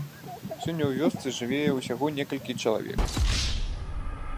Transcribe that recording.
Сёння ў вёсцы жыве ўсяго некалькі чалавек.